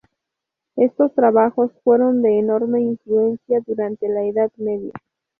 Estos trabajos fueron de enorme influencia durante la Edad Media.